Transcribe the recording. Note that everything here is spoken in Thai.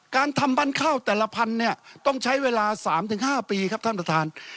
การทำพันธุ์ข้าวแต่ละพันเนี่ยต้องใช้เวลา๓๕ปีครับท่านประธาน